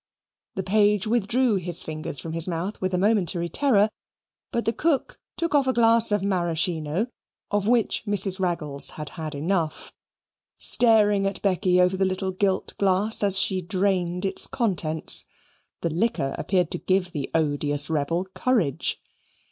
The page withdrew his fingers from his mouth with a momentary terror, but the cook took off a glass of Maraschino, of which Mrs. Raggles had had enough, staring at Becky over the little gilt glass as she drained its contents. The liquor appeared to give the odious rebel courage.